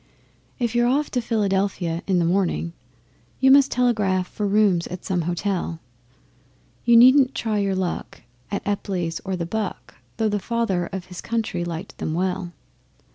If you're off to Philadelphia in the morning, You must telegraph for rooms at some Hotel. You needn't try your luck at Epply's or the 'Buck,' Though the Father of his Country liked them well.